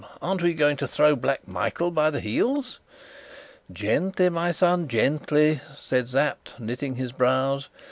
Aren't we going to throw Black Michael by the heels?" "Gently, my son, gently," said Sapt, knitting his brows.